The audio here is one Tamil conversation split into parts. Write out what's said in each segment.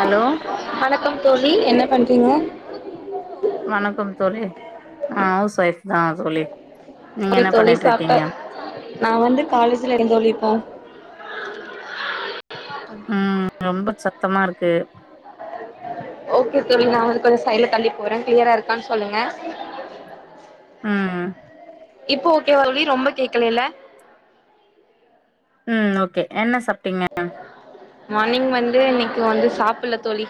ஹலோ வணக்கம் தோழி என்ன பண்றீங்க வணக்கம் தோழி ஆ ஹவுஸ் ஒய்ஃப் தா தோழி நீங்க ஓகே என்ன தோழி பண்ணிட்டு சாப்ட்டே இருக்கீங்க நா வந்து காலேஜ்ல இருக்கே தோழி இப்போ ம் ரொம்ப சத்தமா இருக்கு ஓகே தோழி நா வந்து கொஞ்ச சைட்ல தள்ளி போறே க்ளியரா இருக்கான்னு சொல்லுங்க ம் ம் இப்போ ஓகேவா தோழி ரொம்ப கேக்கலேல்ல ம் ஓகே என்ன சாப் மார்னிங் வந்து இன்னைக்கு வந்து சாப்புல்ல தோழி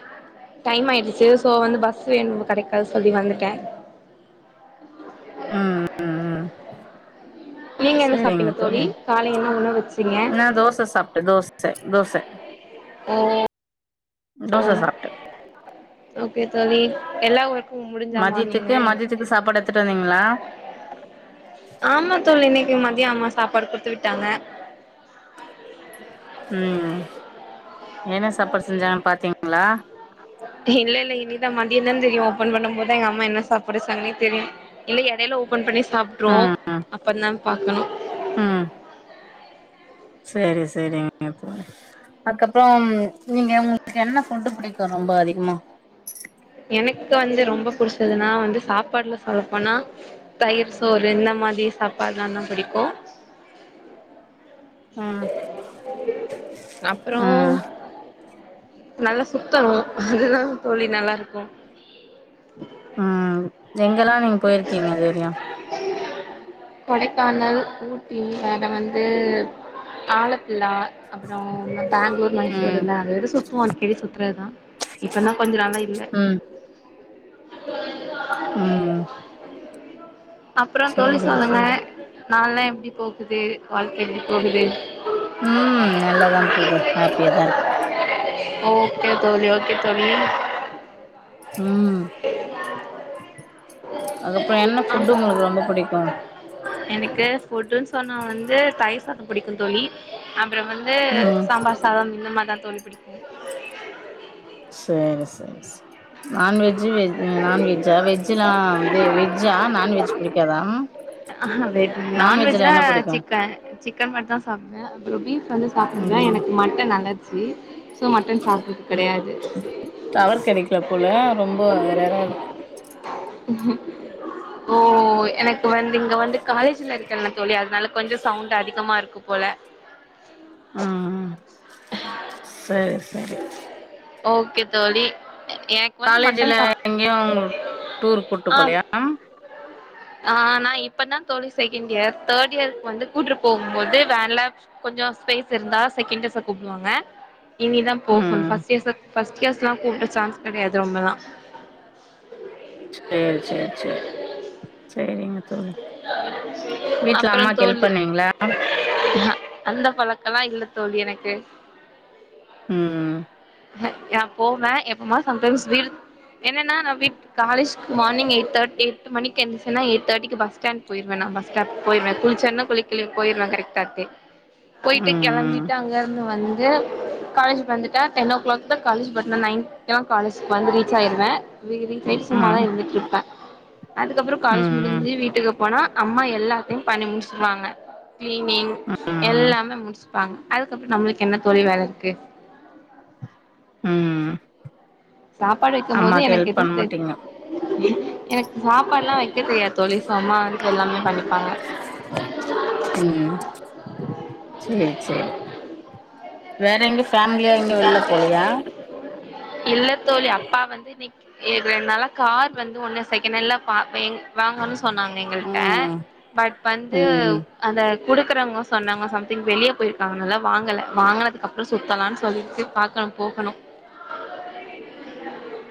டைம் ஆயிடுச்சு சோ வந்து பஸ் என்வு கெடைக்காது சொல்லி வந்துட்டே ம் ம் ம் நீங்க என்ன சரிங்க சாப்ட்டீங்க தோழி காலை என்ன உணவு வச்சீங்க நா தோச சாப்ட்டே தோச தோச ஓ ஓ தோச சாப்ட்டே ஓகே தோழி எல்லா உ மதியத்துக்கு மதியத்துக்கு சாப்பாடு எத்துட்டு வந்தீங்ளா ஆமா தோழி இன்னைக்கு மதியோ அம்மா சாப்பாடு குடுத்து விட்டாங்க ம் என்ன சாப்பாடு செஞ்சாங்கன் பாத்தீங்ளா இல்ல இல்ல இனிதா மதியந்தா தெரியு ஓப்பன் பண்ணும் போதுதா எங்க அம்மா என்ன சாப்பாடு வச்சாங்கன்னே தெரியு இல்ல எடையில ஓபன் பண்ணி சாப்ட்ருவோ ம் ம் அப்ப தா பாக்கணு ம் செரி செரிங்க தோழி அதுக்கப்பறோம் நீங்க உங்களுக்கு என்ன ஃபுட்டு புடிக்கும் ரொம்ப அதிகமா எனக்கு வந்து ரொம்ப புடிச்சதுன்னா வந்து சாப்பாடுல சொல்லப்போனா தயிர் சோறு இந்த மாதிரி சாப்பாட்லா தா பிடிக்கு ம் அப்றோ ம் நல்லா சுத்தணு அதெல்லா தோழி நல்லாருக்கும் ம் எங்கெல்லா நீங்க போயிருக்கீங்க இதுவரையு கொடைக்கானல் ஊட்டி வேற வந்து ஆலப்புலா அப்றோ பேங்ளூர் மைசூர் ம் இல்ல அடிக்கடி சுத்துவோம் அடிக்கடி சுத்றதுதா இப்பதான் கொஞ்ச நாளா இல்ல ம் ம் ம் அப்றோ தோழி சொல்லுங்க சேரி நாள்யெல்லா எப்டி போகுது வாழ்க்க எப்டி போகுது ம் நல்லாதான் போது ஹாப்பியா தா இருக் ஓகே தோழி ஓகே தோழி ம் அதுக்கப்றோ என்ன ஃபுட்டு உங்ளுக்கு ரொம்ப புடிக்கு எனக்கு ஃபுட்டுன்னு சொன்னா வந்து தயிர் சாதம் புடிக்கு தோழி அப்புற வந் ந்து ம் சாம்பார் சாதம் இந்த மாரி தான் தோழி புடிக்கு சேரி சேரி சேர் நான்வெஜ்ஜி வெஜ் நான்வெஜ்ஜா வெஜ்ஜில்லா வந்து வெஜ்ஜா நான்வெஜ் புடிக்காதா ஆ வெஜ் நான்வெஜ்ல நான்வெஜ்னா என்ன புடிக்கு சிக்கன் சிக்கன் மட்டும் தான் சாப்டுவேன் அப்றோ பீஃப் வந்து சாப்டுவே ம் எனக்கு மட்டன் அலர்ஜி ஸோ மட்டன் சாப்புடறது கெடையாது டவர் கெடைக்கல போல ரொம்ப எரரா இருக்கு உஹம் ஓ எனக்கு வந்து இங்க வந்து காலேஜ்ல இருக்கேனா தோழி அதனால கொஞ்சோ சவுண்ட் அதிகமா இருக்கும் போல ம் ம் செரி செரி ஓகே தோழி எக் காலேஜ்ல எங்கேயு டூர் கூட்டு ஆ போலையா ஆ நா இப்ப தா தோழி செகண்ட் இயர் தேர்ட் இயருக்கு வந்து கூட்டு போகும் போது வேன்ல கொஞ்சோ ஸ்பேஸ் இருந்தா செகண்ட் இயர்ஸஸ கூப்டுவாங்க இனி தா போகனு ம் ஃபர்ஸ்ட் இயர்ஸ ஃபர்ஸ்ட் இயர்ஸ்லாம் கூப்ட சான்ஸ் கெடையாது ரொம்பலா சேரி சேரி சேரி செரிங்க தோழி வீட்டுல அப்றோ அம்மாக்கு ஹெல்ப் தோழி பண்ணுவீங்களா அந்த பழக்கல்லா இல்ல தோழி எனக்கு ம் அ நா போவே எப்போமா சம்டைம்ஸ் வீடு என்னன்னா நான் வீட்டு காலேஜ்கு மார்னிங் எயிட் தெட்டி எட்டு மணிக்கு எந்துருச்சுன்னா எய் தேர்டி பஸ்ஸாண்ட் போயிருவேன் நா பஸ் ஸ்டாப் போய்ருவேன் குளிச்சன்ன குளிகளையோ போய்ருவேன் கரெக்ட தெ போயிட்டு ம் கெளம்பிட்டு அங்க இருந்து வந்து காலேஜ் வந்துட்ட டென் ஓ கிளக் தான் காலேஜ் பட் நா நைன் க்குலா காலேஜு வந்து ரீச் ஆயிருவேன் வெரி டைம் ம் சும்மாதா ம் இருந்துட்டு இருப்பேன் அதுக்கப்புறோ காலேஜ் ம் முடிஞ்சி வீட்டுக்கு போனா அம்மா எல்லாத்தையு பண்ணி முடிச்சிருவாங்க கிளீனிங் ம் எல்லாமே முடிச்சுப்பாங்க அதுக்கப்புறோ நம்மளுக்கு என்ன தோழி வேல இருக்கு ம் சாப்பாடு வைக்கும் போது அம்மாக்கு எனக்கு ஹெல்ப் பண்ண எதுவும் தெரி மாட்டீங்க எனக்கு சாப்பாடுல்லா வைக்க தெரியாது தோழி சோ அம்மா அதுக்கு எல்லாமே பண்ணிப்பாங்க ம் செரி செரி வேற எங்கயு ஃபேமிலியா எங்கயு வெளில போலியா இல்ல தோழி அப்பா வந்து வீக் நேத்து ரெண்டுனால கார் வந்து ஒன்னு செகண்டல பாத்தேன் வாங்கனு சொன்னாங் எங்கள்ட்ட ம் பட் வந்து ம் அத குடுக்குறவங்க சொன்னாங்க சம்திங் வெளியே போயிருக்காங்கனாலா வாங்கல வாங்கினதுக்கப்புற சுத்தலான்னு சொல்லிட்டு பாக்கணு போகணு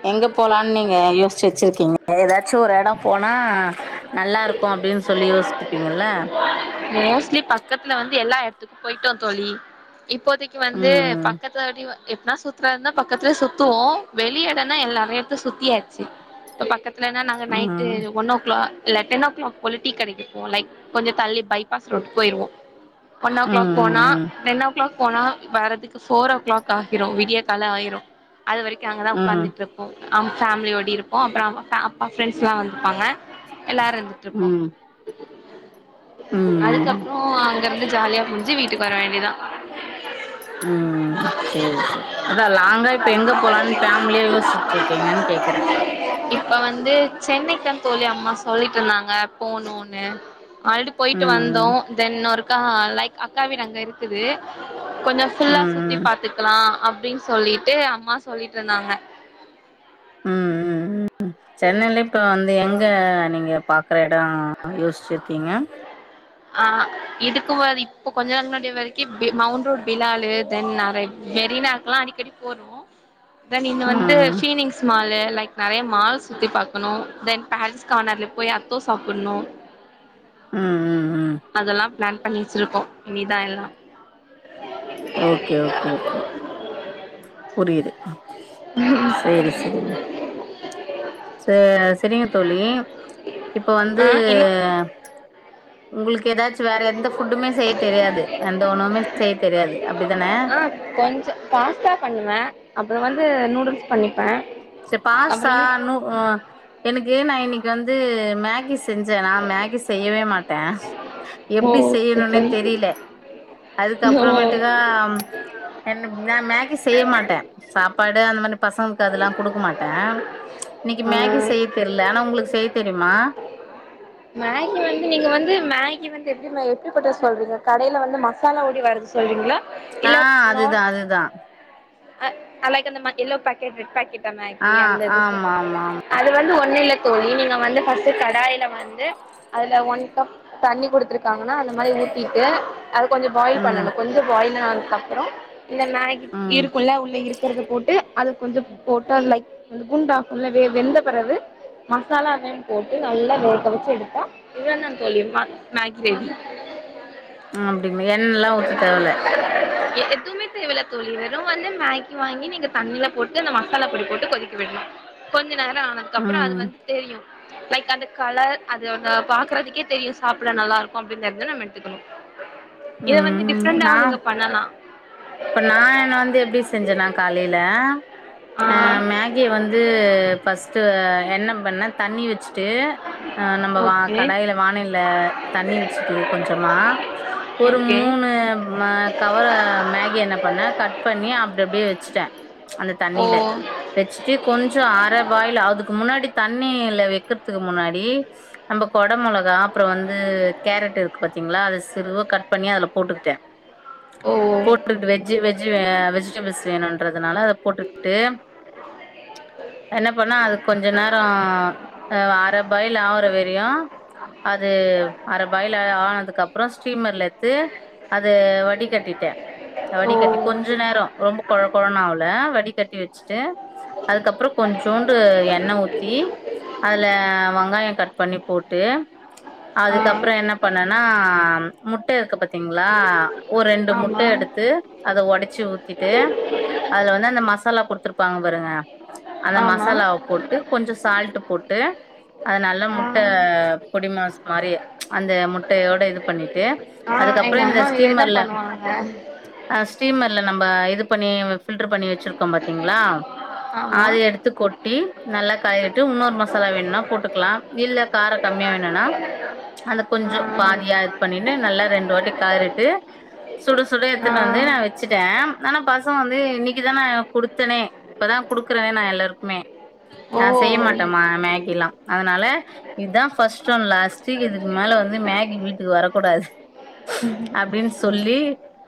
எங்க போலான்னு நீங்க யோஸ்ச்சு வெச்சிருக்கீங்க ஏதாச்சு ஒரு எடம் போனா நல்லா இருக்கு அப்டின்னு சொல்லி யோசிச்சுப்பீங்கல்ல மோஸ்ட்லி பக் பக்கத்துல வந்து எல்லா எடத்துக்கும் போயிட்டோ தோழி இப்போதைக்கு வந்து பக் ம் பக்கத்துலவட்டி எப்பனா சுத்துறதுந்தா பக்கத்துலயே சுத்துவோ வெளிய எடனா எல்ல எடத்த சுத்தியாச்சி பக்கத்துலனா நாங்க நைட்டு ம் ஒன்னோ இல்ல டென் ஓ கிளாக் போல டீ கடைக்குப்போல லைக் கொஞ்சம் தள்ளி பை பாஸ் ரோட்டுக் போயிருவோ ஒன் ஓ கிளாக் போனா ம் ம் டென் ஓ கிளாக் போனா வரதுக்கு ஃபோர் ஓ கிளாக் ஆகிரும் விடிய கால ஆயிரு அது வரைக்கு அங்க தா ம் ம் ஒக்காந்துட்டுருப் போ அவங்க ஃபேமிலியோடி இருப்போ அப்புறம் அப்பா ஃப்ரெண்ட்ஸ்லா வந்துருப்பாங்க எல்லாரு இருந்துட்டுருப்போ ம் ம் ம் அதுக்கப்றோ அங்க இருந்து ஜாலியா முச்சு வீட்டுக்கு வர வேண்டிதா ம் சேரி சேர் அதா லாங்கா இப்ப எங்க போலான்னு ஃபேமிலியா யோசிட்டு இருக்கீங்கன்னு கேக்கறே இப்ப வந்து சென்னைக்தா தோழி அம்மா சொல்லிட்டு இருந்தாங்க போணுன்னு ஆல்ரெடி போயிட்டு வந்தோ ம் தென் இன்னொருக்க லைக் அக்கா வீடு அங்க இருக்குது கொஞ்சோ ம் ஃபுல்லா சுத்தி ம் பாத்துக்கலா அப்டின் சொல்லிட்டு அம்மா சொல்லிட்டு இருந்தாங்க ம் ம் ம் ம் சென்னையில இப்போ வந்து எங்க நீங்க பாக்கற எடோ யோசிச்சிருக்கீங்க ஆ இதுக்கு முன்ன இப்ப கொஞ்ச நேர வரைக்கு மவுன்ரோட் பிலாலு தென் நெறை மெரினா லா அடிக்கடி போ தென் இங்க ம் வந்து பீனிங்ஸ் மாலு லைக் நெறைய மால்ஸ் சுத்தி பாக்கணு தென் பாரிஸ் கார்னர்ல போய் அத்தோ சாப்புன்ணு ம் ம் ம் அதெல்லா பிளான் பண்ணி வச்சிருக்கோம் இனிதா எல்லா ஓகே ஓகே ஓகே புரியுது சரி சரிமா ச சரிங்க தோழி இப்ப ஆ வந்து என்ன உங்களுக்கு ஏதாச்சு வேற எந்த ஃபுட்டுமே செய்ய தெரியாது எந்த உணவுமே செய்ய தெரியாது அப்டித்தானே கொஞ்சம் பாஸ்தா பண்ணுவே அப்புறம் வந்து நூடுல்ஸ் பண்ணிப்பே சரி அப்புற பாஸ்தா யூ நூ நா எனுக்கு நா இன்னைக்கு வந்து மேகிஸ் செஞ்சேனா மேகி செய்யவே மாட்டே ஓ எப்டி செய்யணுன்னே தெரியில ஓ அதுக்கப்புறமேட்டுதான் என்ன நா மேக்கி செய்ய மாட்டே சாப்பாடு அந்த மானி பசங்களுக்கு அதெல்லா குடுக்க மாட்டே இன்னைக்கு ஆ மேகி செய்ய தெரியல ஆனா உங்களுக்கு செய்ய தெரியுமா மேகி வந்து நீங்க வந்து மேகி வந்து எப்டி எப்டிப்பட்ட சொல்றீங்க கடையில வந்து மசாலா ஓடி வரது சொல்றீங்களா ஆ அதுதா அதுதா ஆ லைக் அந்த ம யெல்லோ பேக்கெட் ரெட்பேக்கெட் ஆ மேகி அந்த இது ஆமா ஆமா ஆமா அது வந்து ஒன்னுல்லக் தோழி நீங்க வந்து பஸ்ட்டு கடாயில வந்து அதுல ஒன் கப் தண்ணி குத்துருக்காங்கன்னா அந்த மாதிரி ஊத்திட்டு அது கொஞ்சம் பாயில் ம் பண்ணணு கொஞ்சம் பாயில் ஆனதுக்கு அப்புறோ இந்த மேகி ம் இருக்குல உள்ள இருக்கிறத போட்டு அது கொஞ்ச போட்டா லைக் அது குண்டாக்கும்ல வெந்த பெறவு மசாலா அதயும் போட்டு நல்லா வேக்க வச்சு எடுத்தா இதுதாந்தா தோழி மேகி ரெடி அ அப்டிங்களா எண்ணெல்லா ஊத்தத் தேவல்ல எதுமே தேவல்ல தோழி வெறும் வந்து மேகி வாங்கி நீங்க தண்ணியில போட்டு அந்த மசாலா பொடி போட்டு கொதிக்க விடணு கொஞ்ச நேரோ ஆனதுக்கு அப்புறோ அது ம் வந்து தெரியு லைக் அந்த கலர் அது வந்து பாக்குறதுக்கே தெரியு சாப்பிட நல்லா இருக்ம் அப்படினு தெரிஞ்சா நம்ம எடுத்துக்கணு இத வந்து ம் டிஃப்ரெண்டாவு நா நீங்க பண்ணலா இப்ப நா என்ன வந்து எப்டி செஞ்சேனா காலையில ஆ அ மேகிய வந்து ஃபர்ஸ்ட்டா என்ன பண்ணா தண்ணி வச்சுட்டு அ நம்ம வா ஓகே காடையில வாணையில தண்ணி வச்சுட்டு கொஞ்சமா ஒரு ஓகே மூணு அ கவர மேகி என்ன பண்ண கட் பண்ணி அப்டி அப்டியே வச்சுட்டே அந்த ஓ தண்ணியில வச்சுட்டு கொஞ்சோ அர பாயில் அதுக்கு முன்னாடி தண்ணீல வெக்கறதுக்கு முன்னாடி நம்ம கொட மிளகா அப்புற வந்து கேரட் இருக்கு பாத்தீங்களா அது சிறுவா கட் பண்ணி அதுல போட்டுக்கிட்டே ஓ போட்டு வெஜ் வெஜ் வெஜிடபிள்ஸ் வேணும்ன்றதுனால அதை போட்டுக்கிட்டு என்ன பண்ணா அது கொஞ்ச நேரோ அ அர பாயில் ஆவர வரையு அது அர பாயல் ஆனதுக்கு அப்புறோ ஸ்டீமர்ல எத்து அது வடி கட்டிட்டே ஓ வடிகட்டி கொஞ்ச நேரோ ரொம்ப கொழ கொழன்னு ஆவல வடிகட்டி வச்சுட்டு அதுக்கப்புற கொஞ்சோண்டு எண்ண ஊத்தி அதுல வெங்காயோ கட் பண்ணி போட் டு ஆ அதுக்கப்புறோ என்ன பண்ணேன்னா முட்ட இருக்கு பாத்தீங்களா ஒரு ரெண்டு முட்ட ஆமா எடுத்து அத ஒடைச்சு ஊத்திட்டு அதுல வந்து அந்த மசாலா குடுத்துருப்பாங்க பாருங்க அந்த ஆமா மசாலாவை போட்டு கொஞ்ச சால்ட் போட்டு அது நல்ல ஆ முட்ட பொடிமாஸ் மாரி அந்த முட்டையோட இது பண்ணிட்டு அதுக்கப்புற எங்க இந்த அம்மா இதேதா ஸ்டீமர்ல பண்ணுவாங்க ஆ ஆ ஸ்டீமர்ல நம்ம இது பண்ணி ஃபில்டர் பண்ணி வச்சிருக்கோ பாத்தீங்களா ஆமா அது எடுத்து கொட்டி நல்லா கழுகிட்டு இன்னொரு மசாலா வேணுன்னா போட்டுக்கலா இல்ல கார கம்மியா வேணுனா அது ஆ கொஞ்சோ பாதியா இது பண்ணின்னு நல்லா ரெண்டு வாட்டி கெளறிட்டு சுட சுட எத்துன்னு வந்து நா ஆ வச்சுட்டே னே ஆனா பசங்க வந்து இன்னைக்குதா நா குடுத்தேனே இப்பதா குடுக்குறனே நா எல்லாருக்குமே ஓ ஆ செய்ய மாட்டேமா மேகி எல்லா அதனால இதா ஃபஸ்ட் அண்ட் லாஸ்ட் இதுக்கு மேல வந்து மேகி வீட்க்கு வரக் கூடாது அப்டின்னு சொல்லி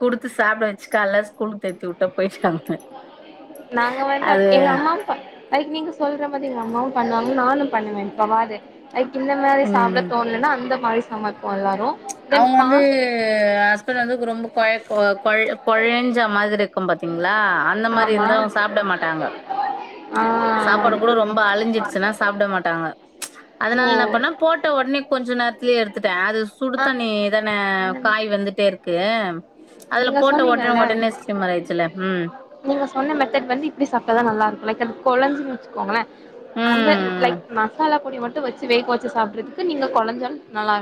குடுத்து சாப்பிட வச்சு காலைல ஸ்கூலக்கு தேத்தி வுட்ட போயிட்டாங்க நாங்க வந்து அது எங்க அம்மாவு பா அதுக்கு நீங்க சொல்ற மாதிரி எங்க அம்மாவும் பண்ணுவாங்க நானு பண்ணுவேன் எப்பவாது லைக் இந்த மாதிரி சாப்பிட ம் தோணலன்னா அந்த மாதிரி சாப்போம் எல்லாரு தென் அவங்க வந்து பாஸ் ஹஸ்பண்ட் வந்து ரொம்ப கொழக் அ கொழ் கொழஞ்ச மாரி இருக்கும் பாத்தி ங்களா அந்த மாரி ஆமா இருந்த அவ்ங்க சாப்பிட மாட்டாங்க ஆ சாப்பாடு கூட ரொம்ப அழிஞ்சிடுச்சுன்னா சாப்பிட மாட்டாங்க அதனால ஓ என்ன பண்ணா போட்ட உடனே கொஞ்ச நேரத்துலேய எத்துட்ட அது ஆ சுடுதனி இதானே அந்த மா காய் வெந்துட்டே இருக்கு அதுல நீங்க போட்ட உடனே சொன்னீங்கல்ல உடனே ஸ்லிம் ஆயிச்சல ம் நீங்க சொன்ன மெத்தட் வந்து இப்படி சாப்பிட்டதா நல்லா இருக்கும் லைக் அது குழஞ்சு வச்சுகொங்கள அந்த ம் லைக் மசாலா பொடி மட்டும் வச்சு வேக்க வச்சு சாப்பிறதுக்கு நீங்க கொலஞ்லும் நல்லா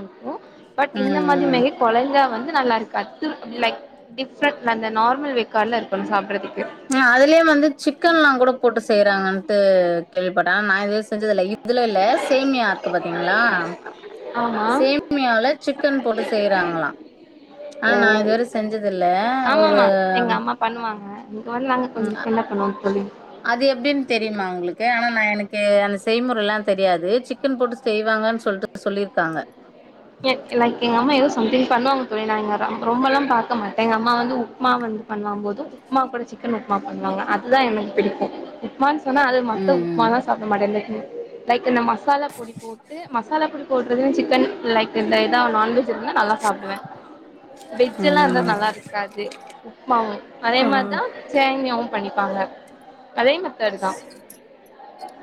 பட் இந்த மாதிரி ம் மேகி கொளஞ்ச வந்து நல்லா இருக்காது லைக் டிஃப்ரெண்டட் அந்த நார்மல் வேக்காடுல இருக்கனு சாப்பிடறதுக்கு ஆ அதுலயே வந்து சிக்கன் எல்லா கூட போட்டு செய்யறாங்கட்டு கேள்விப்பட்டா ஆனா நா இது வரைக்கு செஞ்சுதுல இல்ல இல்ல சேமியா இருக்கு பாத்தீங்களா ஆமா சேமியால சிக்கன் போட்டு செய்யறாங்களா ஆ ஓ நா இதுவரை செஞ்சதுல்ல ஒரு ஆமாமா எங்க அம்மா பண்ணுவாங்க இங்கே வந்து நாங்க கொஞ்ச ம் டிஃபிரண்டா பண்ணுவோ தோழி அது எப்படின்னு தெரியுமா உங்களுக்கு ஆனா நா எனக்கு அந்த செய்முற எல்லா தெரியாது சிக்கன் போட்டு செய்வாங்கன்னு சொல்லிட்டு சொல்லியிருக்காங்க லைக் எங்க அம்மா ஏதோ சம்திங் பண்ணுவாங்க தோழி நாங்க ரொம்ப எல்லா பாக்க மாட்டேன் எங்க அம்மா வந்து உப்புமா வந்து பண்ணுலாபோது உப்மா கூட சிக்கன் உப்புமா பண்ணுவாங்க அதுதா எனக்கு பிடிக்கும் உப்மா ஆனா அது மத்த ம் உப்புமா லா சாப்பிட மாட்டே இது லைக் இந்த மசாலா பொடி போட்டு மசாலா பொடி போடுறது சிக்கன் லைக் இந்த இதா நான்வெஜ் இருந்தா நல்லா சாப்பிடுவே வெஜ் எல்லா ம் இருந்துதா ம் நல்லா இருக் காது உப்புமாவு அதே ம் மாதிரிதா சேமியாவும் பண்ணிப்பாங்க அதே மாதிரி சரிதா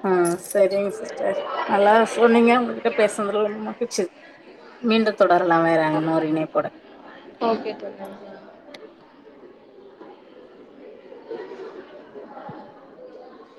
ஆ சரிங்க சிஸ்டர் நல்லா சொன்னீங்க உங்ககிட்ட பேசுனதுல ரொம்ப மகிழ்ச்சி மீண்டும் தொடர்ல்லா வேற இன்னொரு இணைப் ஓட ஓகே தோழி நன்றி [unintelligible]